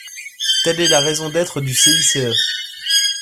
Telle est la raison d’être du CICE.